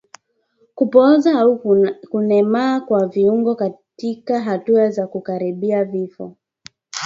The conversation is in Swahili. Kupooza au kulemaa kwa viungo katika hatua za kukaribia kifo